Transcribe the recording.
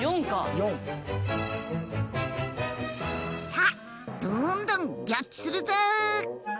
さあどんどんギョっちするぞ！